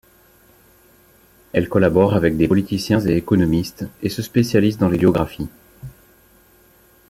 Elle collabore avec des politiciens et économistes et se spécialise dans les biographies.